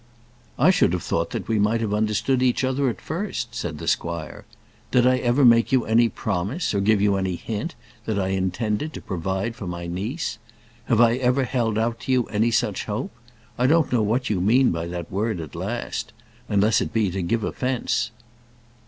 "I should have thought that we might have understood each other at first," said the squire. "Did I ever make you any promise, or give you any hint that I intended to provide for my niece? Have I ever held out to you any such hope? I don't know what you mean by that word 'at last' unless it be to give offence."